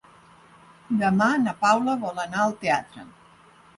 Demà na Paula vol anar al teatre.